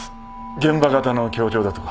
現場型の教場だとか。